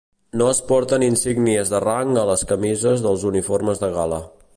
No es porten insígnies de rang a les camises dels uniformes de gala.